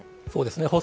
そうですね。